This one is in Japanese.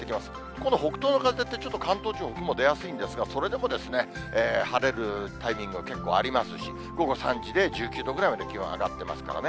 この北東の風って、ちょっと関東地方、雲出やすいんですが、それでも晴れるタイミング、結構ありますし、午後３時で１９度ぐらいまで気温上がってますからね。